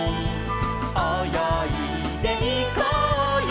「およいでいこうよ」